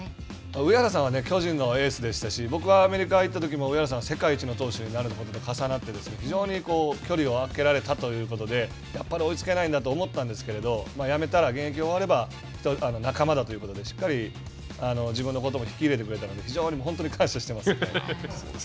上原さんは巨人のエースでしたし僕はアメリカ行ったときも上原さんは世界一の投手になるときと重なって非常に距離をあけられたということでやっぱり追いつけないんだと思ったんですけど、現役終われば仲間だということで、しっかり自分のことも引き入れてくれたので非常に本当に感謝しています。